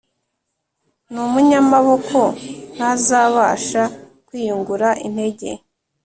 n’umunyamaboko ntazabasha kwiyungura intege